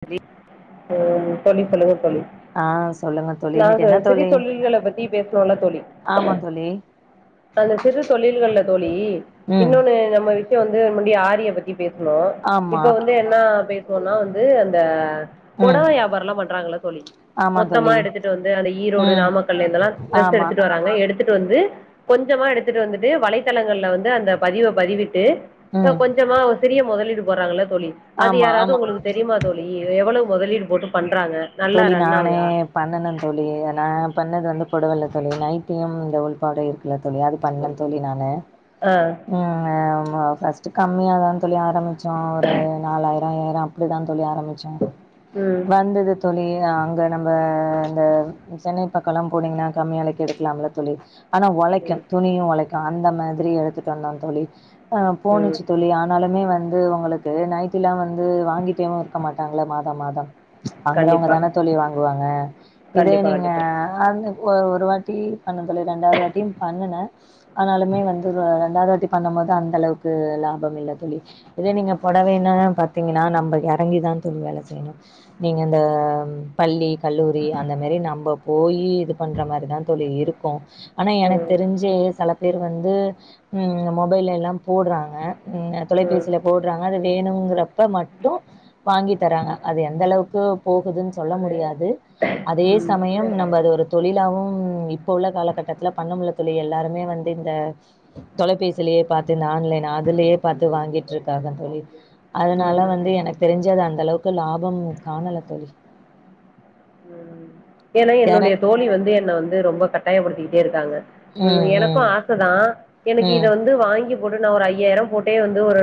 தோழி அ தோழி சொல்லுங்க தோழி ஆ சொல்லுங்க தோழி இன்னைக்கு நாம என்ன சிறி தோழி தொழில்கள பத்தி பேசுனோல தோழி ஆமா தோழி அந்த சிறு தொழில்கள்ல தோழி ம் இன்னொன்னு நம்ம விட்ட வந்து முந்டி ஆரிய பத் தி பேசுனோ ஆமா இப்ப வந்து என்னி பேசுவோனா வந்து அந்த ம் பொடவ வியாபார்ல்லா பண்றங்கல தோழி ஆமா மொத்தமா தோழி எடுத்துட்டு வந்து அந்த ஈரோடு ம் நாமக்கல்லிந்தெல்லா ட்ரெஸ் ஆமா எடுத்துட்டு வ ராங்க எடுத்துட்டு வந்து கொஞ்சமா எடுத்துட்டு வந்துட்டு வலைத்தளங்கள்ல வந்து அந்த பதிவ பதிவிட்டு ம் கொஞ்சமா ஒர் சிறிய முதலீடு போடறாங்கள்ள தோழி அது ஆமா யாராவ்து ஆமா உங்ளுக்கு தெரியுமா தோழி எவ்வளோ முதலீடு போட்டு பண்றாங்க நல்லா தோழி ரன் நானே ஆவுதா பண்ணணு தோழி நா பண்ணது வந்து புடவல்ல தோழி நைட்டியு இந்த உள்பாடு இருக்கு இல்ல தோழி அது பண்ணே தோழி நானு ஆ ஹ ஆம்மா ஃபர்ஸ்ட்டு கம்மியா தா தோழி ஆரம்பிச்சோ ஒரு நாலாயிர ம் அப்டிதா தோழி ஆரம்பிச்சே ம் வந்தது தோழி அங்க நம்ப இந்த சென்னை பக்கலா போனீங்னா கம்மியலைக்கு எடுக்கலாம்ல தோழி ஆனா உழைக்கு ம் துணியு உழைக்கு அந்த மாதிரி எடுத்துட் வந்தோ தோழி ஆ போனுச்சு தோழி ஆனாலுமே வந்து வந்து உங்ளுக்கு நைட்டில்லா வந்து வாங்கிட்டேவு இருக்க மாட்டாங்கள்ள மாதம் மாதம் வாங்கறவங்க கண்டிப்பா தானே தோழி வாங்குவாங்க இதே கண்டிப்பா நீங்க கண்டிப்பா அ ஒரு ஒரு வாட்டி பண்ண தோழி ரெண்டாவது வாட்டியு பண்ணன ஆனாலுமே வந்து ரெண்டாது வாட்டி பண்ணும் போது அந்த அளவுக்கு லாபம் இல்ல தோழி இதே நீங்க புடவைன்னா பாத்தீங்கனா நம்ப இறங்கிதா தோழி வேல செய்ணு நீங்க இந்த பள்ளி கல்லூரி அந்த மாரி நம்ம போயி இது பண்ற மாரி தா தோழி இருக்கு ஆனா எனக் ம் தெரிஞ்சு செல பேர் வந்து மொபைல்லலா போடுறாங்க தொலைபேசில போட் டறாங்க அது வேணுங்கிறப்ப மட்டு வாங்கி தராங்க அது எந்த அளவுக் போகுதுன் சொல்ல முடியாது அதே ம் சமயம் நம்ப அது ஒரு தொழிலாவு இப்ப உள்ள காலகட்டத்துல பண்ணமுட்ல தோழி எல்லாருமே வந்து இந்த தொலைபேசிலயே பாத்து இந்த ஆன்லைன் அதுலயே பாத்து வாங்கிட் இருக்காங்க தோழி ம் அதனால வந்து எனக்கு தெரிஞ்சு அந்த அளவுக் லாபம் காணல தோழி ஏன்னா யார என்னுடைய தோழி வந்து என்ன வந்து ரொம்ப கட்டாயப்படுத்திட்டேருக்காங்க ம் எனக்கு ஆச தா எனக்கு இத ம் வந்து வாங்கி போட்டு நா ஒரு ஐயாயிரோ போட்டே வந்து ஒரு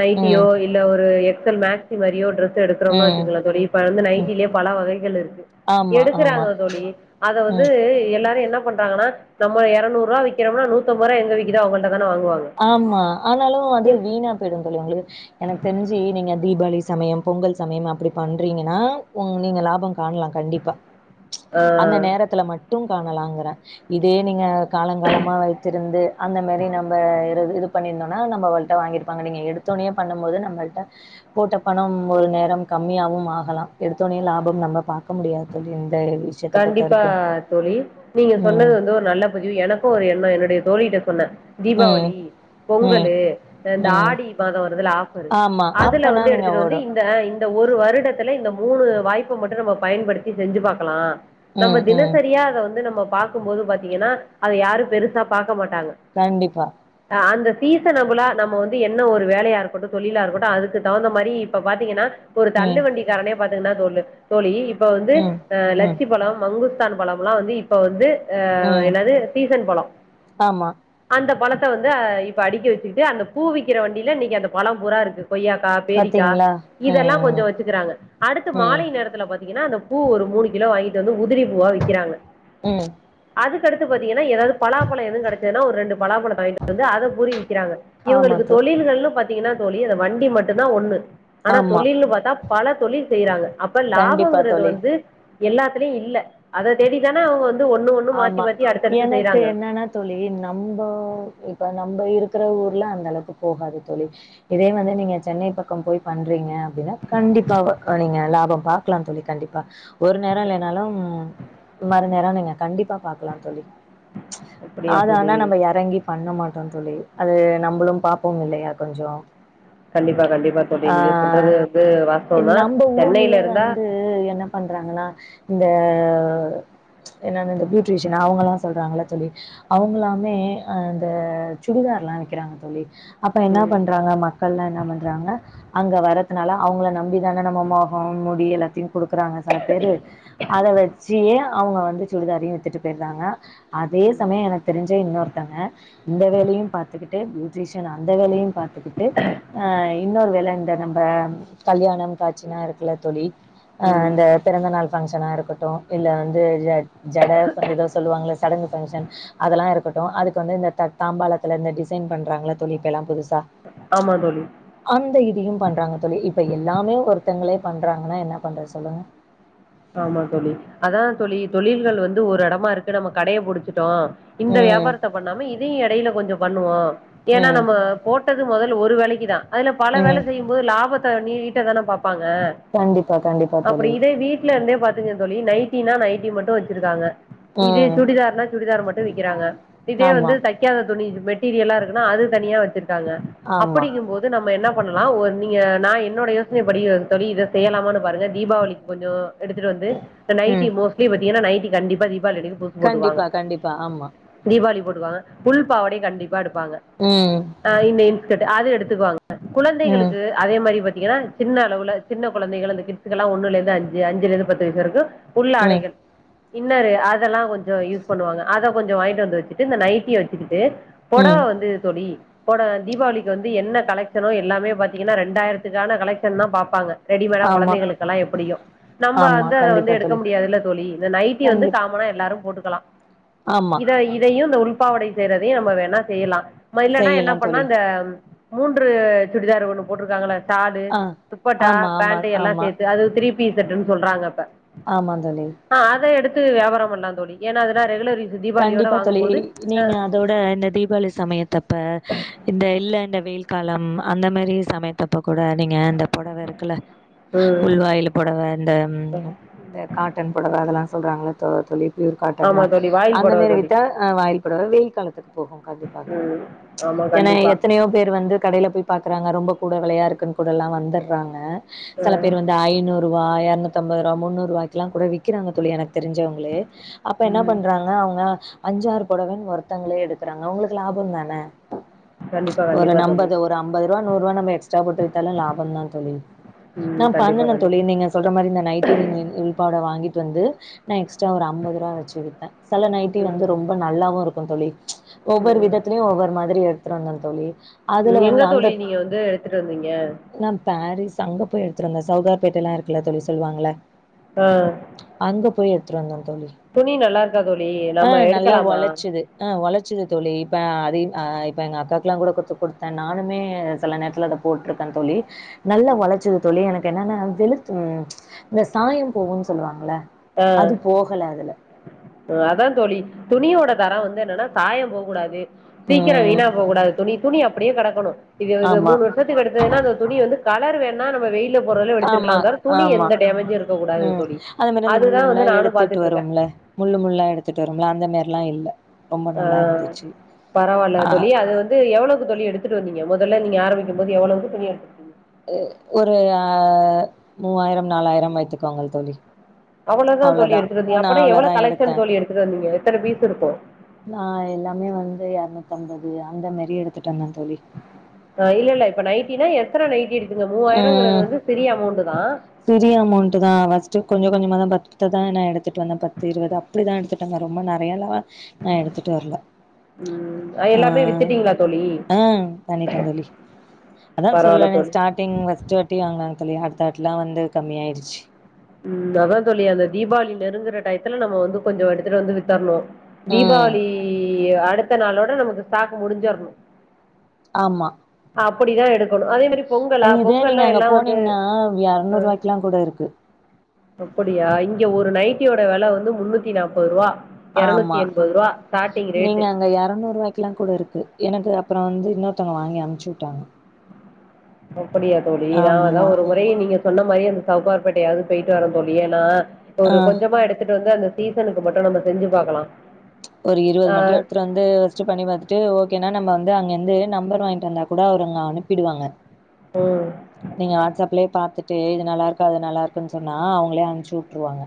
நைட்டியோ ம் இ இல்ல ஒரு எக்ஸ்எல் மேக்சி மாரியோ டிரெஸ் எடுக்கறம்னு ம் வெச்சுக்கங் தோழி இ வந்து ம் நைட்டிலயே பல வகைகள் இருக்கு ஆமா ஆமா எடுக்கறாங்க தோழி அத வந்து ம் எல்லாரு என்ன பண்றாங்கனா நம்ம இருநூரூபா விக்கிறம்னா நூத்து அம்பது எங்க விக்கிதோ அவங்கள்ட தான வாங்குவாங்க ஆமா ஆனாலு அது இப் வீணா போயிடு தோழி உங்ளுக் எனக் தெரிஞ்சு நீங்க தீபாவளி சமயம் பொங்கல் சமயம் அப்டி பண்றீங்கனா உங் நீங்க லாப காணலா கண்டிப்பா அந்த ஆ நேரத்துல மட்டு காணலாங்கறே இதே நீங்க காலங்காலமா வெச்சிருந்து அந்த மாரி நம் இது பண்ணிருந்தோனா நம்மள்ட்ட வாங்கிருப்பாங்க நீங்க எடுத்தோனைய பண்ணு போது நம்மள்ட்ட போட்ட பணம் ஒரு நேரம் கம்மியாவும் ஆகலா எடுத்தோனே லாபம் நம்ப பாக்க முடியாது இந்த விஷயத்த கண்டிப்பா பொறுத்தவரைக்கும். தோழி நீங்க ம். சொன்னது வந்து ஒரு நல்ல எனக்கு ஒரு எண்ணோ என்னுடைய தோழிட்ட சொன்னே ம். தீபாவளி ம். பொங்கலு இந்த ம். ஆடி மாத வருதுல ஆ ஃபர் ஆமா. அதுல அப்பனா வந்து நீங்க எடுத்துட் வந்து ஓடும். இந்த ஒரு வருடத்துல இந்த மூணு வாய்ப்ப மட்டு நம்ம பயன்படுத்தி செஞ்சு பாக்கலா நம்ம ம். ம். தினசரியா அத வந்து நம்ம பாக்குபோது பாத்தீங்கனா அத யாரு பெருசா பாக்க மாட்டாங்க கண்டிப்பா அ அந்த சீசனபுளா நம்ம வந்து என்ன ஒரு வேலையா இருக்கட்டு தொழிலா இருக்கட்டு அதுக்கு தகுந்த மாரி இப்ப பாத்தீங்கன்னா ஒரு தள்ளு ம். வண்டி காரனையே பாத்தீங்கன்னா சொல்லு தோழி இப்ப வந்து ம். அ லட்ச ம். பழொ மங்குஸ்தான் பழம்ல்லா வந்து இப்ப வந்து அ ம். என்னாது சீசன் பழொ ஆமா. அந்த பழத்த வந்து அ இப்ப அடிக்கி வச்சுக்கிட்டு அந்த பூவிக்கிற வண்டியில இன்னைக்கி அந்த பழம் பூரா இருக்குது கொய்யாக்கா பேரிக்கா பாத்தீங்களா? இதெல்லா கொஞ்ச ம். வச்சுக்கிறாங்க அடுத்து ம். மாலை நேரத்துல பாத் திங்கன்னா அந்த பூ ஒரு மூணு கிலோ வாங்கிட்டு வந்து உதிரி பூவா விக்கிறாங்க ம் அதுக்கடுத்து பாத்தீங்கன்னா எதாவ்து பலா பழ எது கெடைச்சதுனா ஒரு ரெண்டு பலாப்பழ வாய்ன்ட்டு வந்து அத புரிவிக்கிறாங்க ஆமா இவுங்களுக்கு தோ தொழில்கள்னு பாத்தீங்கன்னா தோழி அத வண்டி மட்டுந்தா ஒண்ணு ஆனா ஆமா தொழில்னு பாத்தா பல தொழில் செய்றாங்க அப்ப கண்டிப்பா லாபங்கிறது தோழி வந்து எல்லா துலயு இல்ல அத தேடி தான அவுங்க வந்து ஒண்ணு ஒண்ணு மாத்தி ஆமா மாத்தி அடுத்தடுத்து எனக்கு செய்றாங்க என்னன்னா தோழி நம்ப இப்ப நம்ப இருக்கிற ஊர்ல அந்த அளவுக்கு போகாது தோழி இதே வந்து நீங்க சென்னை பக்கம் போய் பண்றீங்க அப்டின்னா கண்டிப்பா நீங்க லாபம் பாக்லா தோழி கண்டிப்பா ஒரு நேரொ இல்லைனாலும் மறு நேரொ நீங்க கண்டிப்பா பாக்லா தோழி அப்படியா அது தோழி ஆனா நம்ப எறங்கி பண்ண மாட்டோந் தோழி அது நம்பளு பாப்போ இல்லயா கொஞ்சோ கண்டிப்பா கண்டிப்பா தோழி ஆ நீங்க சொல்றது வந்து வாஸ்தவந்தா சென்னையில இருந்தா இது என்ன பண்றாங்கன்னா இந்த என்ன இந்த பியூட்ரிஷன் அவுங்கல்லா சொல்றாங்கள தோழி அவுங்கலாமே அ இந்த சுடிதார்ல்லா விக்கிறாங்க தோழி அப்ப என்னா ம் பண்றாங்க மக்கள்லா என்ன பண்றாங்க அங்க வர்றதுனால அவுங்கள நம்பி ஏன்னா நம்ம மொகோ முடி எல்லாத்தையு குடுக்குறாங்க செல பேரு அத வச்சியே அவுங்க வந்து சுடிதாரயு வித்துட்டு போயிடுறாங்க அதே ம் சமயொ எனக்கு தெரிஞ்ச இன்னொருத்தங்க இந்த வேலையு பாத்துக்கிட்டு பியூட்டிஷியன் அந்த வேலையும் பாத்துக்கிட்டு அ இன்னொரு வேல இந்த நம்ப கல்யாணம் காச்சினா இருக்குல்ல தோழி ஆ ம் அந்த பிறந்தநாள் ஃபங்க்ஷனா இருக்கட்டு இல்ல வந்து ஜ ஜட ஏதோ சொல்லுவாங்கள சடங்கு ஃபங்க்ஷன் அதெல்லா இருக்கட்டூ அதுக்கு வந்து இந்த த தாம்பாளத்துல இந்த டிசைன் பண்றாங்கள தோழிப்ப எல்லா புதுசா ஆமா தோழி அந்த இதையும் பண்றாங்க தோழி இப்ப எல்லாமே ஒருத்தங்களே பண்றாங்கன்னா என்னா பண்றது சொல்லுங்க ஆமா தோழி அதா தோழி தொழில்கள் வந்து ஒரு எடமா இருக்கு நம்ம கடையை புடிச்சுட்டோ இந்த ம். வியாபாரத்த பண்ணாம இதையு எடையில கொஞ்சொ பண்ணுவோ ஏன்னா ம். நம்ம போட்டது மொதல் ஒரு வேலைக்கி தா அதுல பல வேல ம். செய்யும் போது லாபத்த நீட்டதான பாப்பாங்க கண்டிப்பா, கண்டிப்பா அப்படி தோழி. இதே வீட்லருந்தே பாத்துங்க தோழி நைட்டினா நைட்டி மட்டு வச்சிருக்காங்க இதே ம். சுடிதார்னா சுடிதார் மட்டு விக்கிறாங்க இதே வந்து ஆமா. தைக் தைக்காத துணி மெட்டீரியலா இருக்குனா அது தனியா வச்சிருக்காங்க ஆமா. அப்படிங்கும்போது து நம்ம என்ன பண்ணலா ஒரு நீங்க நா என்னோட யோசனை படி தோழி இத செய்யலாமான்னு பாருங்க தீபாவளிக்கி கொஞ்சோ எடுத்துட்டு வந்து ப்ப நைட்டி ம். மோஸ்லி பாத்தீங்கன்னா நைட்டி கண்டிப்பா தீபாளி அன்னிக்கி புதுசு கண்டிப்பா கண்டிப்பா ஆமா தீபாவ்ளிக்கி போட்டுக்குவாங்க புல் பாவடையு கண்டிப்பா எடுப்பாங்க ம் ஆ இந்த இன்ஸ்கட் அது எடுத்துக்குவாங்க ம். குழந்தைகளுக்கு அதே மாரி பாத்தீங்கன்னா சின்ன அளவுல சின்ன குழந்தைகள் அந்த கிட்ஸ்க்கு எல்லா ஒண்ணுலேருந்து அஞ்சு அஞ்சுலேருந்து பத்து வயசு வரக்கூ ம். உள்ளாடைகள் இன்னரு அதெல்லா கொஞ்ச யூஸ் பண்ணுவாங்க அத கொஞ்சோ வாங்கிட்டு வந்து வெச்சுட்டு இந்த நைட்டிய வெச்சுக்கிட்டு பொடவ ம். வந்து தோழி போன தீபாவ்ளிக்கு வந்து என்ன கலெக்ஷனோ எல்லாமே பாத்தீங்கன்னா ரெண்டாயிரத்துக்கான கலெக்ஷன் தா பாப்பாங்க ரெடி மேடா ஆமா. கொழந்தைங்களுக்கெல்லா எப்டியு நம்ப ஆமா. வந்து அத வந்து கண்டிப்பா எடுக்க தோழி. முடியாதுல்ல தோழி இந்த நைட்டி வந்து கண்டிப் காமனா எல்லாரு போட்டுக்கலா ஆமா. இத இதையு இந்த உள்பாவடை செய்யறதையு நம்ம வேணா செய்யலா நம்ம இல்லன்னா என்ன செய்யலாம் பண்ணா தோழி. இந்த மூன்று சுடிதார் ஒண்ணு போட்ருக்காங்கல்ல சாடு ஆ. துப்பட்டா ஆமா, ஆமா, பேண்ட்டு எல்லா ஆமா. சேத்து அது த்ரீ பீஸ் செட்டுன்னு சொல்றாங்க இப்ப ஆமாந் தோழி அ அத எடுத்து வியாபாரோ பண்லா தோழி ஏனா அதெல்லா ரெகுலர் யூஸ் தீபாவளியோட கண்டிப்பா தோழி வாங்கும்போது அ நீங்க அதோட இந்த தீபாவளி சமயத்தப்ப இந்த இல்ல இந்த வெயில் காலம் அந்த மாரி சமயத்தப்ப கூட நீங்க இந்த பொடவ இருக்குல்ல ம் உள்வாயிலு பொடவ இந்த இந்த காட்டன் பொடவ அதெல்லா சொல்றாங்கல்ல தொ தோழி ப்யூர் ஆமா காட்டன்லா தோழி வாயில் அந்த புடவ மாரி தோழி வித்தா அ வாயில் பொடவ வெயில் காலத்துக்கு போகு கண்டிப்பாக ம் ஆமா ஏனா கண்டிப்பா எத்தனையோ பேரு வந்து கடைல போய் பாக்குறாங்க ரொம்ப கூட வெலையா இருக்குன் கூடெல்லா வந்துறாங்க அ செல பேர் வந்து ஐனூருவா எரநூத்தம்பருவா முன்னூருவாய்க் கெல்லா கூட வி க்கிறாங்க தோழி எனக்கு தெரிஞ்சவங்களே அப்ப என்ன ம் பண்றாங் க அவுங்க அஞ்சாறு பொடவன்னு ஒருத்தங்ளே எடுக்கறாங்க அவுங்களுக்கு லாபம் தான கண்டிப்பா ஒரு கண்டிப்பா தோழி நம்பது ஒரு அம்பதுருபா நூர்ருபா நம்ம எக்ஸ்ட்ரா போட்டு வித்தாலு லாபந்தா தோழி ம் நா கண்டிப்பா பண்ணுனந் தோழி கண்டிப்பா நீங்க சொல்ற மாரி இந்த நைட்டி நீங்க உள்பாவட வாங்கிட்டு வந்து நா எக்ஸ்ட்ரா ஒரு அம்பதுருவா வெச்சு வித்தே சில நைட்டி ம் வந்து ரொம்ப நல்லாவு இருக்குந் தோழி ஒவ்வொரு விதத்திலயு ஒவ்வொரு மாத்ரி எத்துட்டு வந்தே தோழி அதுல எங்க வந்து தோழி அந்த நீங்க வந்து எடுத்துட்டு வந்தீங்க நா பேரிஸ் அங்க போய் எடுத்துட்டு வந்தே சௌகார் பேட்டலா இருக்குல்ல தோழி சொல்லுவாங்கல்ல அ அங்க போய் எடுத்துட்டு வந்தந் தோழி துணி நல்லாருக்கா தோழி நம்ம எடுக்கலாமா அ ஒழச்சிது தோழி இப்ப அத அ இப்ப எங்க அக்காக்குலாங் கூட குடுத் குடுத்தே நானுமே சில நேரத்துத்தில அத போட்ருக்கன் தோழி நல்லா ஒழச்சுது தோழி எனக்கு என்னன்னா வெளுத்து இந்த சாயம் போகுன்னு சொல்லுவாங்கல்ல ஆ அது போகல அதுல அதா தோழி துணியோட தரோ வந்து என்னன்னா சாயம் போக்கூடாது சீக்ரோ ம் விணாப்போக் கூடாது தோழி துணி துணி அப்டியே கெடக்கனு இது இது ஆமா மூணு வரு ஷத்துக்கு எடுத்ததுனா அந்த துணி வந்து கலர் வேணா நம்ம வெயில ஓரளவு எடுத்திருக்கலா ஆமா தவிர துணி எந்த டேமேஜ்ஜு இருக்கூடாது தோழி அதுமாரி அந்த முள்ளு அதுதா முள்ளா வந்து நானு எடுத்துட்டு பாத்துட்டு இருக்கே வரும்ல முள்ளு முள்ளா எடுத்துட்டு வருவோம்ல அந்தமாரிலா இல்ல. ரொம்ப ஆ நல்லா இருந்துச்சு பரவால்ல ஆ தோழி அது வந்து எவ்ளோக்கு தோழி எடுத்துட்டு வந்திங்க மொதல்ல நீங்க ஆரம்பிக்கும் போது எவ்ளோக்கு துணி எடு அ ஒரு ஆ மூவாயிரம் நாலாயிரம் வைத்துக்கோங்கள் தோழி. அவ்ளதா தோழி அவ்ளோதா எடுத்துட்டு வந்தியா நா அப்பனா எவ்ளோ அவ்ளோதா எடுத்தே கலெக்ஷன் தோழி எடுத்துட்டு வந்தீங்க எத்தன பீஸ் இருக்கு நா எல்லாமே வந்து எர்நூத்தம்பது அந்த மாரி எடுத்துட்டு வந்தே தோழி ஆ இல்லல்ல இப்ப நைட்டின்னா எத்தன நைட்டி எடுப்பிங்க மூவாயிரோங்கறது ம் வந்து சிறிய அமௌண்ட்டு தா சிறிய அமோண்ட்டு தா ஃபர்ஸ்ட்டு கொஞ்ச கொஞ்சமா தா பத்து தா நா எடுத்துட்டு வந்தே பத்து இருவதா ப்புடிதா எடுத்துட்டு வந்தே ரொம்ப நறயாளா நா எடுத்துட்டு வர்ல ம் ஆ எல்லாமே வித்துட்டீங்களா தோழி ஆ பண்ணிட்டே தோழி அதா பரவால்ல சொல்றனே தோழி ஸ்டார்டிங் ஃபஸ்ட்டு வாட்டி வாங்னாங்க தோழி அடுத்த வாட்லா வந்து கம்மி ஆய்டுச் ம் அதா தோழி அந்த தீபாவளி நெருங்குற டையத்துல நம்ம வந்து கொஞ்சோ எடுத்துட்டு வந்து வித்தர்ணு ம் தீபாவளி அடுத்த நாளோட நமக்கு ஸ்டாக் முடிஞ்சர்ணு ஆம்மா அப்படிதா எடுக்கணும அதே மே அது இதே நீங்க அங்க போனிங்ன்னா எர்நூறுவாய்க்லா கூட இருக்கு அப்படியா இங்க ஒரு நைட்டியோட வெல வந்து முன்னூத்தி நாப்பருவா ஆமா நீங்க அங்க எரநூருபாய்க்குல்லா கூடருக் கு எனக்கு அப்புறோ வந்து இன்னொர்த்தவுங்க வாங்கி அனுப்ச்சி உட்டாங்க அப்படியா தோழி நா அதா ஆமா ஒரு முறை நீங்க சொன்ன மாரி அந்த சவுக்கார்பேட்டயாது போய்ட்டு வர தோழி ஏனா ஆ ஒரு கொஞ்சமா எடுத்துட்டு வந்து அந்த சீசனுக்கு மட்டு நம்ப செஞ்சு பாக்கலா ஒரு இருவது மட்டு எட்த்து டு வந்து யோஸ்ச்சு பண்ணி பாத்துட்டு ஓக்கேனா நம்ப வந்து அங்கேர்ந்து நம்பர் வாய்ன்ட்டு வந்தா கூட அவுருங்க அனுப்பிடுவாங்க ம் நீங்க வாட்ஸ் அப்லே பாத்துட்டு இது நல்லாருக்கு அது நல்லாருக்குன் சொன்னா அவுங்களே அம்ச்சு உட்டுருவாங்க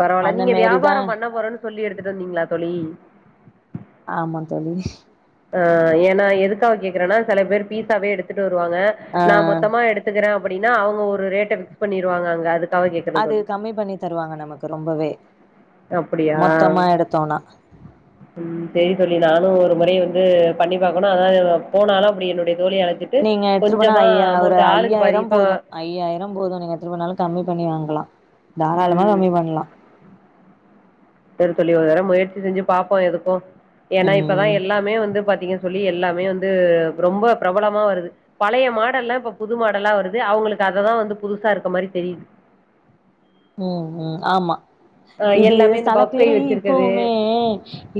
பரவால்ல நீங்க வியாபாரம் பண்ண போறன் சொல்லி எடுத்துட்டு வந்திங்ளா தோழி ஆமா தோழி ஆ ஏனா எதுக்காக கேக்குறேன்னா செல பேரு பீஸாவே எடுத்துட்டு வருவாங்க ஆ நா மொத்தமா எடுத் துகுறே அப்புடின்னா அவுங்க ஒரு ரேட்ட ஃபிக்ஸ் பண்ணிடுவாங்க அங்க அதுக் அது கம்மி பண்ணி தருவாங்க நமக்கு ரொம்பவே அப்படியா மொத்தமா எடுத்தோனா [unintelligible] ம் சேரி தோழி நானு ஒரு முறை வந்து பண்ணி பாக்கணு அதா போனாலு அப்டி என்னுடய தோழிய அழ ட்டு நீங்க எடுத்துட்டு கொஞ்சமா அமோண்ட்டு ஆளுக்கு பாதி இப்ப ஐயாயிரோ போதும் நீங்க எட்துன் போனாலு கம்மி பண்ணி வாங்கலா தாராளமா ம் கம்மி பண்லா செரி தோழி ஒரு தட முயற்சி செஞ்சு பாப்போ எதுக்கும் ஏனா இப்பதா ம் எல்லாமே வந்து பாத்திங்க தோழி எல்லாமே வந்து ரொம்ப ப்ரபலமா வருது பழய மாடல்லாம் இப்ப புது மாடலா வருது அவுங்களுக்கு அததா வந்து புதுசாருக்க மாரி தெரிது ம் ம் ஆமா ஆ இது எல்லாமே இந்த செல பஃப் கை பேரு வச்சிருக்கது இப்பவுமே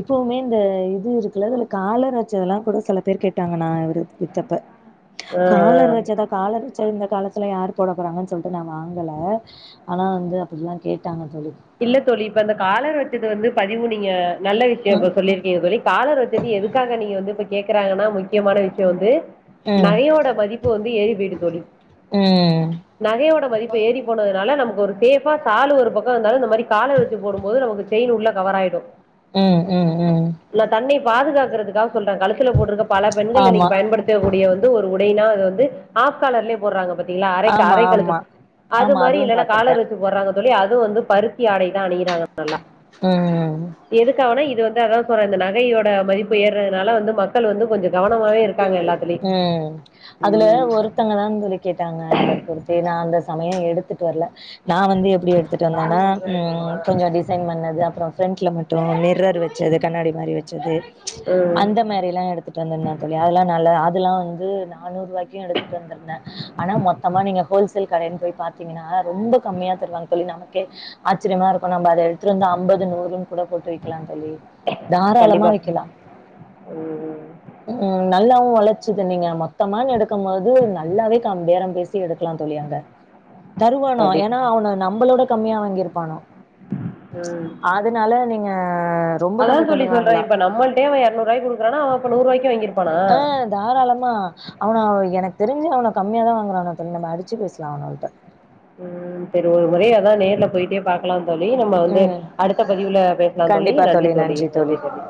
இப்பவுமே இந்த இது இருக்குல்ல அதுல காலர் வச்சதல்லா கூட செல பேர் கேட்டாங்க நா வித்தப்ப [unintelligible] காலர் வெச்சதா காலர் வெச்சா இந்த காலத்ல யார் போட போறான் சொல்லிட்டு நா வாங்கல ஆனா வந்து அப்புட்லா கேட்டாங்க தோழி இல்ல தோழி இப்ப அந்த காலர் வெச்சது வந்து பதிவு நீங்க நல்ல விஷ்யோ ம் இப்ப சொல்லிருக்கிங்க தோழி காலர் வெச்சது எதுக்காக நீங்க வந்து இப்ப கேக்கறாங்கனா முக்யமான விஷ்யோ வந்து ம் நகையோட மதிப்பு வந்து ஏறி போய்ட்டு தோழி ம் நகையோட மதிப்பு ஏறி போனதுனால நமக்கு ஒரு சேஃபா சாலு ஒரு பக்கோ இர்ந்தாலு நம் அஇது மாரி காலர் வெச்சு போடும் போது நமக்கு செய்ன் உள்ள கவர் ஆய்டு ம் ம் ம் ல தன்னே பாதுகாக்குறதுக்காக சொல்ற கழுத்துல போட்டுக்க பல பெண்கள் ஆமா இன்னிக் பயன்படுத் த கூடிய வந்து ஒரு உடைனா அது வந்து ஆஃப் காலர்லே போட்றாங்க பாத் திங்ளா அரைக் ஆமா அரைக்கழுத்து ஆமா அது ஆமா மாரி அதுவு இல்லனா பாத்திருக்கே காலர் வெச்சு போட்றாங்க தோழி அது வந்து பருத்தி ஆடைதா அணியிறாங்க நல்லா ம் எதுக்காகனா இது வந்து அதா சொல்ற இந்த நகையோட மதிப்பு ஏறதுனால வந்து மக்கள் வந்து கொஞ்ச கவனமாகவே இரு ம் அதுல ஒருத்தங்க தா தோழி கேட்டாங்க அவ த்தே நா அந்த சமய எடுத்துட்டு வர்ல நா வந்து எப்டி எடுத்துட்டு வந்தேன்னா ம் கொஞ்ச டிசைன் பண்ணது அப்புற ஃப்ரண்ட்ல மட்டு மிரர் வச்சது கண்ணாடி மாரி வச்சது ம் அந்த மாரிலா எடுத்துட்டு வந்துருந்த தோழி அதெல்லா நல்லது அதெல்லா வந்து நானூறுவாய்க்கு எடுத்துட்டு வந்துருந்த ஆனா மொத்தமா நீங்க ஹோல்சேல் கடைன்னு போய் பாத்தீங்கன்னா ரொம்ப கம்மியா தருவாங்க தோழி நமக்கே ஆச்சரியமா இருக்கு நம்ப அத எடு த்துட்டு வந்து ஈம்பது நூறுன்னு கூட போட்டு விக்கலா தோழி தாராளமா கண்டிப்பா விக்கலா ம் ம். ம் நல்லாவு ஒழச்சுது நீங்க மொத்தமானு எடுக்கும் போது நல்லாவே கம் பேரம் பேசி எடுக்கலா தோழி அங்க தருவானோ கண்டிப்பா ஏன்னா அவன நம்பளோட கம்மியா வாங்கியிருப்பானோ ம் அதனால நீங்க ரொம்ப அதா கம்மி தோழி சொல்ற பண்ணிவாங்களாம். இப்ப நம்மள்ட்டே அவ எரநூறுவாய்க்கு குடுக்குறானா அவ அப்ப நூறுவாய்க்கு வாங்கிருப் ஆ தாராளமா அவன எனக்கு தெரிஞ்சி அவன கம்மியா தா வாங்குறானுவோ தோழி நம்ம அடிச்சு பேசலா அவனுவோள்ட்ட ம் செரி ஒரு முறை அதா நேர்ல போயிட்டே பாக் கலா தோழி நம்ம வந்து ம். அடுத்த பதிவுல பேசலா தோழி நன்றி தோழி நன்றி தோழி